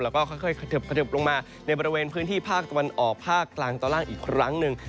แล้วก็ค่อยบลงมาในบริเวณพื้นที่ภาคตะวันออกภาคกลางตอนล่างอีกครั้งหนึ่ง